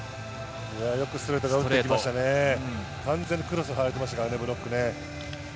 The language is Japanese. よくストレートが打てできましたね、完全にクロスに入りましたからね、ブロック。